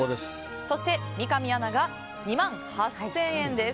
そして三上アナが２万８０００円。